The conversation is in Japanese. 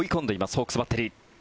ホークスバッテリー。